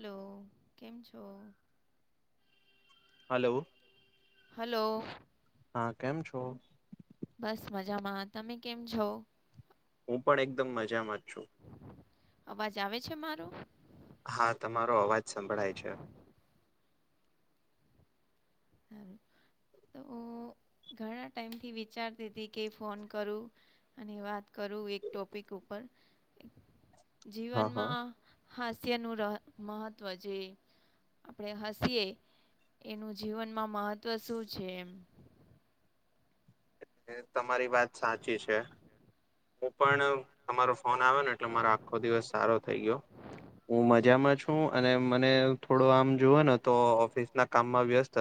Hello કેમ છો hello hello હા કેમ છો બસ મજામાં તમે કેમ છો હું પણ એકદમ મજામાં જ છું અવાજ આવે છે મારો હા તમારો અવાજ સંભળાય છે સારું તો હું ઘણા ટાઈમથી વિચારતી હતી કે ફોન કરું અને વાત કરું એક ટોપિક ઉપર જીવનમાં હાસ્યનું મહત્વ જે આપડે હાસ્યએ એનું જીવનમાં મહત્વ શું છે એમ તમારી વાત સાચી છે હું પણ તમારો ફોન આવ્યો ને એટલે મારો આખો દિવસ સારો થઈ ગયો હું મજામાં છું અને મને થોડો આમ જોુવ ને તો ઓફિસ ના કામમાં વ્યસ્ત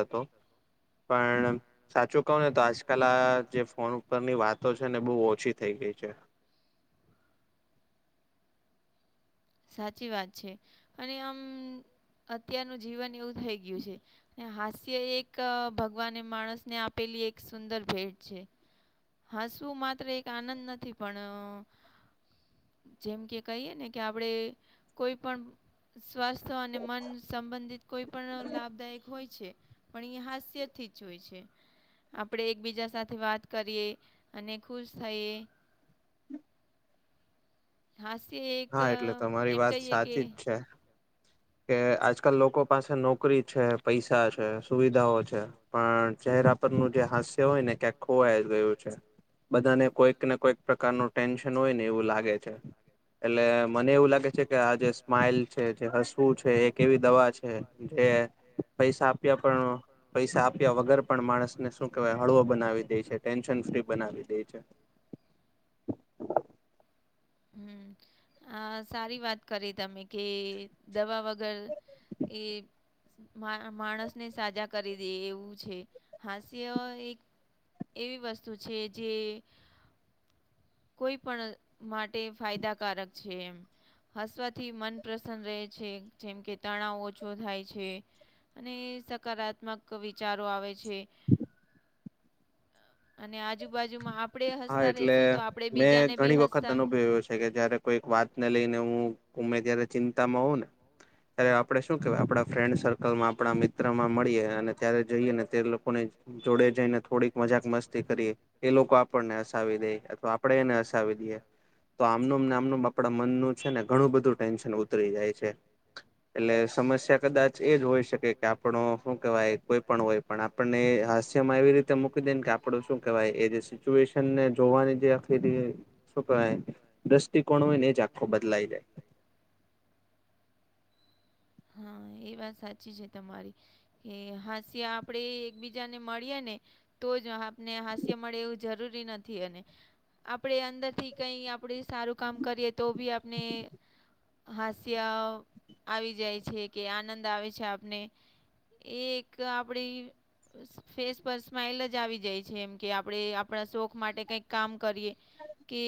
પણ સાચું કવ ને તો આજકાલ આ જે ફોન ઉપર ની વાતો છે ને બહુ ઓછી થઈ ગઈ છે સાચી વાત છે અને આમ અત્યારનું જીવન એવું થઈ ગયું છે હાસ્ય એક ભગવાન માણસ ને આપેલી એક સુંદર ભેટ છે હા શું માત્ર એક આનંદ નથી પણ જેમ કે કહીયએ ને કે આપડે કોઈ પણ સ્વાસ્થ અને મન સંબંધિત કોઈ પણ લાભદાયક હોય છે પણ અહીયા હાસિયતથી જ હોય છે આપણેે એકબીજા સાથે વાત કરીએ અને ખુશ થઈએ હાસ્ય એક એમ કહીએ કે કે આજકાલ લોકો પાસે નોકરી છે પૈસા છે સુવિધાઓ છે પણ ચહેરા પરનું જે હાસ્ય હોય ને ક્યાંક ખોવાઈ ગયું છે કોઈક ને કોઈક પ્રકારનું ટેન્શન હોય ને એવું લાગે એટલે મને એવું લાગે છે કે આ જે સ્માઈલ છે છે એક એવી દવા છે જે પૈસા આપ્યા પણ પૈસા આપ્યા વગર પણ માણસને શું કેહેવાય હળવો બનાવી દે છે ટેન્શન ફ્રી બનાવી દે છે હમ આ સારી વાત કરી તમે કે દવા વગર એ માણસને સાજા કરી દે એવું છે હાસ્ય એક વસ્તુ જે કોઈ પણ માટે ફાયદાકારક છે એમ હસવાથી મન પ્રસન્ન રહે છે જેમ કે તણાવ ઓછો થાય છે અને સકારાત્મક વિચારો આવે છે અને આજુબાજુમાં આપ હા એટલે મેં ઘણી વખત અનુભવ્યું છે કે જયારે કોઈક વાત ને લઈને હું ગમે જ્યારે ચિંતામાં હોઉં ને ત્યારે આપણે શું કેહેવાય આપણા ફ્રેન્ડ સર્કલમાં આપણા મિત્ર માં મળીએ અને ત્યારે જઈએ ને તે લોકોને જોડે જઈને થોડીક મજાક મસ્તી કરીએ એ લોકો આપણને હસાવી દે અથવા આપણેે એને હસાવી દઈએ તો આમનુંને આમ આપડા મનનું છે ને ઘણું બધું ટેન્શન ઉતર ાય છે એટલે સમસ્યા કદાચ એ જ હોય શકે કે આપણો શું કહેવાય કોઈ પણ હોય પણ આપણને હાસ્યમાં એવી રીતે મુક કે આપડ શું કેવાય જે સિચ્યુએશનને જોવાની જે આખી શું દ્રષ્ટિકોણ હોય ને જ આખો બદલાઈ જાય હા સાચી છે તમારી કે હાસ્ય આપણેે એકબીજા ને મળીએે ને તો જ આપને હાસ્ય મળે એવું જરૂરી નથી અને આપણે અંદર થી કઈ આપણે સારું કામ કરીએ તો બી આપણે હાસ્ય આવી જાય છે કે આનંદ આવે છે આપને એ એક આપડી ફેસ પર સ્માઈલ જ આવી જાય છે એમ કે આપણે આપણા શોખ માટે કંઈક કામ કરીએ કે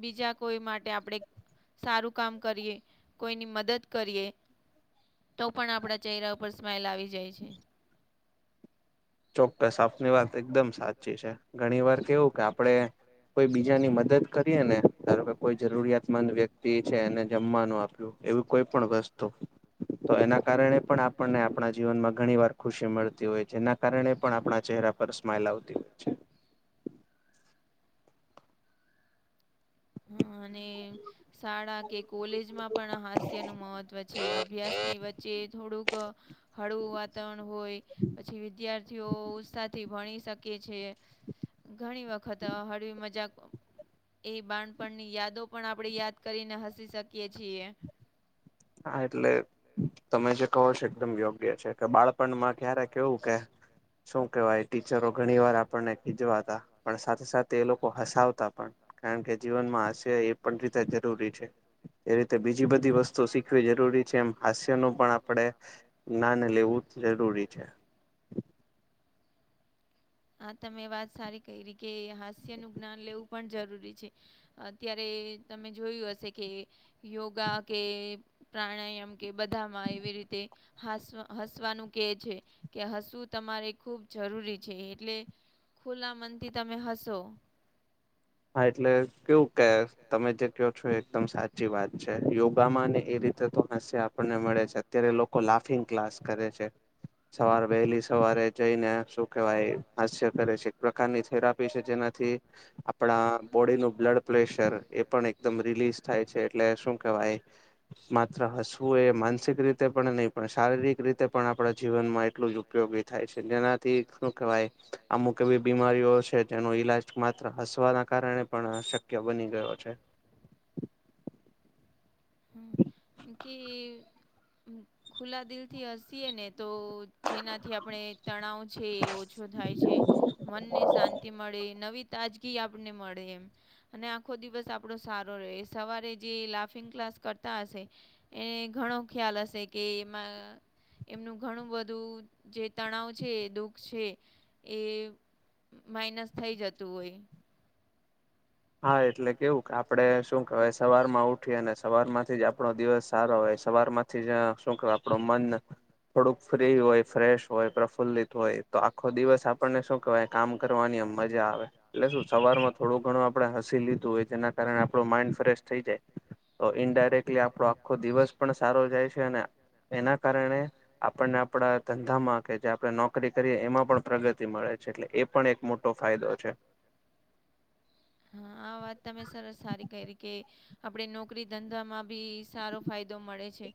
બીજા કોઈ માટે આપણે સારું કામ કરીએ કોઈની મદદ કરીએ તો પણ આપણા ચહેરા ઉપર સ્માઈલ આવી જાય છે ચોક્કસ આપની વાત એકદમ સાચી છે ઘણી વાર કેવું કે આપડે કોઈ બીજાની મદદ કરીે ને ધારો કે કોઈ જરૂરિયાતમંદ વ્યક્તિ તે છે એને જમવાનું આપલું એવી કોઈ પણ વસ્તુ તો એના કારણે પણ આપણને આપણા જીવનમાં ઘણી વાર ખુશી મળતી હોય છે જેના કારણે પણ આપણા ચહેરા પર સ્માઈલ આવતી હોય છે હા અને શાળા કે કોલેજમાં પણ હાસ્ય નું મહત્વ છે અભ્યાસની વચ્ચે થોડુંક હળવું વાતાવરણ હોય પછી વિદ્યાર્થીઓ ઉત્સાહથી ભણી શકે કે છે ઘણી વખત હળવી મજાક એ બા પણની યાદો પણ આપણે યાદ કરીને હસી શકીએ છીએ હા એટલે તમે જે કહો છો એકદમ યોગ્ય છે કે બાળપણમાં ક્યારે કેવું કે શું કેવાય ટીચરો ઘણી વાર આપણને ખીજવા ત પણ સાથે સાથે એ લોકો હસાવતા પણ કારણ કે જીવનમાં હશે એ પણ રીતે જરૂરી છે એ રીતે બીજી બધી વસ્તુ શખ જરૂરી છે એમ હાસ્ય નું પણ આપડે જ્ઞાન લેવું જ જરૂરી છે આ તમે વાત સારી કરી કે હાસ્યનું જ્ઞાન લેવું પણ જરૂરી છે અત્યારે તમે જોયું હશે કે યોગા કે પ્રાણાયામ કે બધામાં એવી રીતે હસવાનું કે છે કે હસવું તમારે ખુબ જરૂરી છે એટલે ખુલ્લા મનથી તમે હશો હા એટલે કેવું કે તમે જે કો છો એકદમ સાચી વાત યોગા માં ને એ રીતે હાસ્ય આપણને મળે છે અત્યારે લોકો લાભ ક્લાસ કરે છે સવાર વહેલી સવારે શું કહેવાય હાસ્ય કરે છે એક થેરાપી જેનાથી આપણા બોડી નું બ્લડ પ્રેશર એ પણ એક એકદમ રિલીઝ થાય છે એટલે શું કેવાય માત્ર હસવું એ માનસિક રીતે પણ નહીિ પણ શારીરિક રીતે પણ આપણા જીવનમાં એટલું જ ઉપયોગી થાય છે જેનાથી કવાય અમુક એવી બીમારીઓ છે જેનો ઈલાજ માત્ર હસવાના કારણે પણ શક્ય બની ગયો છે હમમ કે ખુલ્લા દિલ થી હસીએ ને તો જેનાથી આપણે તણાવ છે ઓછો થાય છે મનને શાંતિ મળે નવી તાજગી આપને મળે એમ અને આખો દિવસ આપડો સારો રહે સવારે જે લાફિંગ ક્લાસ કરતા હશે એને ઘણો ખ્યાલ હશે કે એમાં એમનું ઘણું બધું જે તણાવ છે એ દુઃખ છે એ માઇનસ થઈ જતું હોય હા એટલે કેવું કે આપડે શું કેહેવાય સવાર માં ઉઠીએ અનેને સવાર માંથી જ આપણો દિવસ સારો હોય છે સવાર માંથી જ અ શું કઉ આપડું મન થોડુંક ફ્રી હોય ફ્રેશ હોય પ્રફુલ્લિત હોય તો આખો દિવસ આપણને શું કહેવાય કામ કરવાની આમ મજા આવે એટલે શું સવાર માં થોડું ઘણું આપડે હસી લીધું હોય જેના કારણે અને આપણું માઈન્ડ ફ્રેશ થઈ જાય તો ઈનડાઈરેક્ટલી આપણો આખો દિવસ પણ સારો જાય છે અને એના કારણે આપણને આપણા ધંધામાં કે જે આપણે નોકરી કરીએ એમાં પણ પ્રગતિ મળે છે એટલે એ પણ એક મોટો ફાયદો છે. હા આ વાત તમે સરસ સારી કરી કે આપડે નોકરી ધંધામાં બી સારો ફાયદો મળે છે.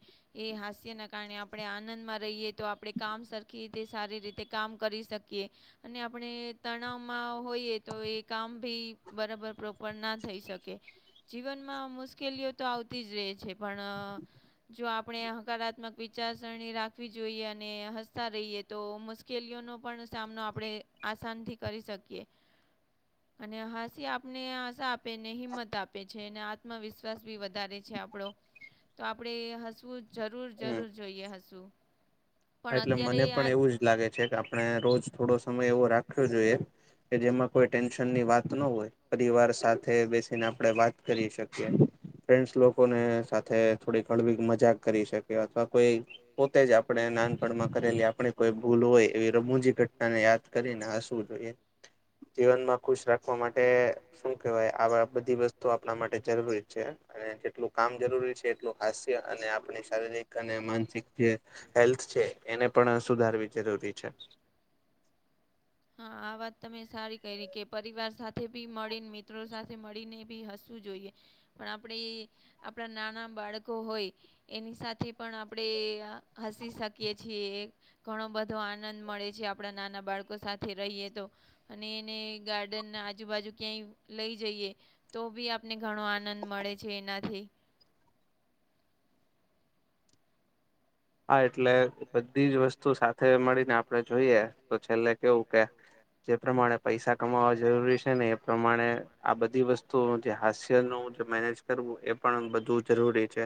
એ હાસ્યના કારણે આપણે આનંદમાં રહીએ તો આપણે કામ સરખી રીતે સારી રીતે કામ કરી શકીએ. અને આપણે તણાવમાં હોઈએ તો એ કામ ભી બરાબર પ્રોપર ના થઈ શકે. જીવનમાં મુશ્કેલીઓ તો આવતી જ રહે છે પણ જો આપણે હકારાત્મક વિચારસરણી રાખવી જોઈએ અને હસતા રહીએ તો મુશ કેલીઓનો પણ સામનો આપણે આસાનથી કરી શકીએ અને હ તે આપને આશા આપે ને હિંમત આપે છે અને આત્મવિશ્વાસ બી વધારે છે આપણો તો આપડે હસવું જરૂર જરૂર જોઈએ હસવું. પણ અત્યારે આ લાગે છે કે આપણે રોજ થોડો સમય એવો રાખવો જોઈએ કે જેમાં કોઈ ટેન્શન ની વાત ન હોય પરિવાર સ સાથે બેસીને આપડે વાત કરી શકીએ ફ્રેન્ડસ લોકોને સાથે થોડીક હળવી મજાક કરી શકીએ અથવા કોઈ પોતે જ આપણે નાનપણમાં કરેલી આપણે કોઈ ભૂલો હોય એવી રમૂજી ઘટના ને યાદ કરીને હસવું જોઈએ. જીવનમાં ખુશ રાખવા માટે શું કેવાય આ વા બધી વસ્તુ આપણા માટે જરૂરી છે. અને જેટલું કામ જરૂરી છે એટલું હાસ્ય અને આપણી શારીરિક અને માનસિક જે હેલ્થ છે એને પણ સુધારવી જરૂરી છે. હા આ વાત તમે સારી કરી કે પરિવાર સાથે ભી મળીને મિત્રો સાથે મળીને બી હસવું જોઈએ. પણ આપડે આપણા નાના બાળકો હોય એની સાથે પણ આપણે હસી શકીએ છીએ. ઘણો બધો આનંદ મળે છે આપણા નાના બાળકો સાથે રહીએ તો. અને એને ગાર્ડનના આજુબાજુ ક્યાંય લઈ જઈએ તો બી આપને ઘણો આનંદ મળે છે એનાથી. હા એટલે બધી જ વસ્તુ સાથે મળીને આપડે જોઈએ તો છેલ્લે કેવું કે જે પ્રમાણે પૈસા કમાવા જરૂરી છે ને એ પ્રમાણે આ બધી વસ્તુ તો જે હાસ્ય નું જે મેનેજ કરવું એ પણ બધું જ જરૂરી છે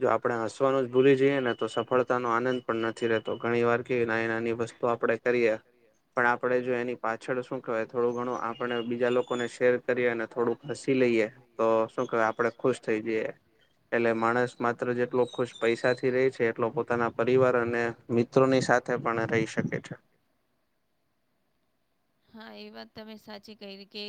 જો આપણેે હસવાનું જ ભૂલી જઈએ ને તો સફળતા નો આનંદ પણ નથી રહેતો ઘણી વાર કેવી નાની નાની વસ્તુ આપણે કરીએ પણ આપડે જો એની પાછળ શું કહેવાય થોડું ઘણું આપણે બીજા લોકોને શેર કરીએ ને થોડુંક હસી લઈએ તો શું કેય આપડે ખુશ થઈ જઈએ એટલે માણસ માત્ર જેટલો ખુશ પૈસા થી રહે છે એટલો પોતાના પરિવાર અને મિત્રોની સાથે પણ રહી શકે છે. હા એ વાત તમે સાચી કયરી કે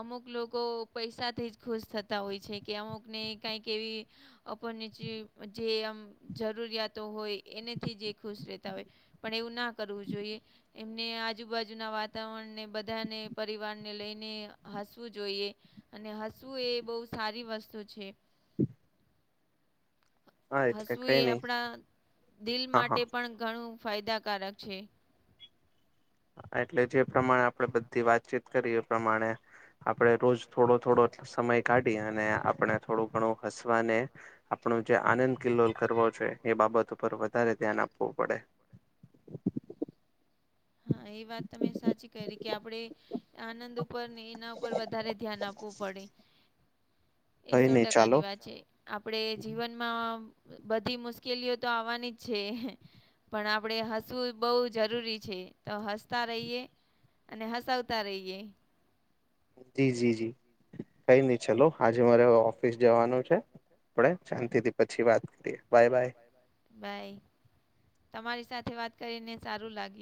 અમુક લોકો પૈસા થી જ ખુશ થતા હોય છે કે અમુકને કાંઈક એવી આપણ ને જે જે આમ જરૂરિયાતો હોય એનેથી જ એ ખુશ રહેતા હોય. પણ એવું ના કરવું જોઈએ. એમને આજુબાજુના વાતાવરણને બધાને પરિવારને લઈને હસવું જોઈએ અને હસવું એ બહુ સારી વસ્તુ છે. [inaudible] હસવું એ આપણા દિલ માટે પણ ઘણું ફાયદાકારક છે. એટલે જે પ્રમાણે આપણેે બધી વાતચીત કરી એ પ્રમાણે આપડે રોજ થોડો થોડો સમય કાઢી અને આપણે થોડું ઘણું હસવાને આપણો જે આનંદ કિલ્લોલ કરવો છે એ બાબત ઉપર વધારે ધ્યાન આપવું પડે. હા એ વાત તમે સાચી કરી કે આપણેે આનંદ ઉપ પર ને એના ઉપર વધારે ધ્યાન આપવું પડે. એ સો ટકા ની વાત છે આપડે જીવન [unintelligible] બધી મુશ્કેલીઓ તો આવવાની જ છે. પણ આપડે હસવું બહુ જરૂરી છે. તો હસતા રહીએ અને હસાવતાં રહીએ. જી જી જી કઈ નહી ચલો આજે મારે ઓફિસ જવાનું છે. આપણે શાંતિથી પછી વાત કરીએ બાય બાય. બાય તમારી સાથે વાત કરીને સારું લાગ્યું.